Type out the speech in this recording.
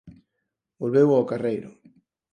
Volveu ó carreiro.